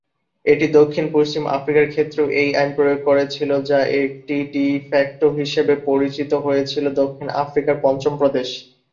এটি দক্ষিণ পশ্চিম আফ্রিকার ক্ষেত্রেও এই আইন প্রয়োগ করেছিল, যা এটি ডি-ফ্যাক্টো হিসাবে পরিচালিত হয়েছিল দক্ষিণ আফ্রিকার পঞ্চম প্রদেশ।